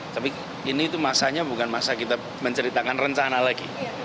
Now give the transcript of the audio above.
tapi ini itu masanya bukan masa kita menceritakan rencana lagi